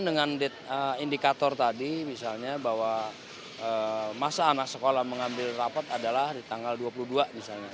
dengan indikator tadi misalnya bahwa masa anak sekolah mengambil rapat adalah di tanggal dua puluh dua misalnya